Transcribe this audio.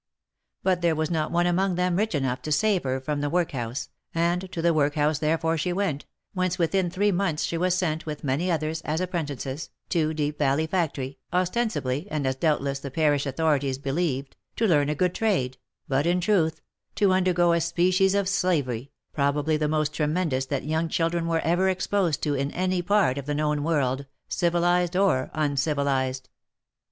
But there was not one among them rich enough to save her from the workhouse, and to the workhouse therefore she went, whence within three months she was sent, with many others, as apprentices, to Deep Valley factory, ostensibly, and as doubtless the parish authorities be lieved, to learn a good trade, but in truth, to undergo a species of slavery, probably the most tremendous that young children were ever exposed to in any part of the known world, civilized or uncivilized.